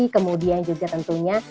kemudian juga tentunya